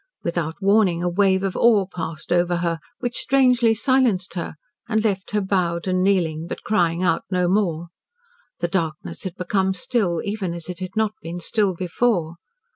Without warning, a wave of awe passed over her which strangely silenced her and left her bowed and kneeling, but crying out no more. The darkness had become still, even as it had not been still before.